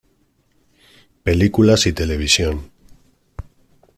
Películas y televisión